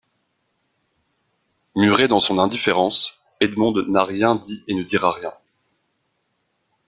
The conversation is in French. Murée dans son indifférence, Edmonde n'a rien dit et ne dira rien.